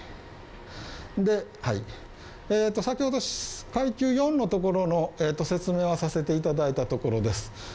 先ほど、階級４のところの説明をさせていただいたところです